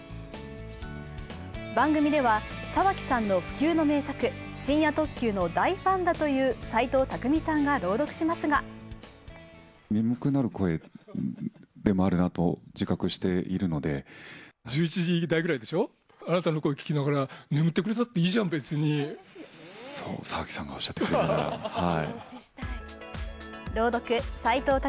番組では沢木さんの不朽の名作「深夜特急」の大ファンだという斎藤工さんが朗読しますが「朗読・斎藤工